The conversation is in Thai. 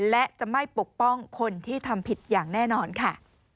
และจะไม่ปกป้องคนที่ทำผิดอย่างแน่นอนค่ะ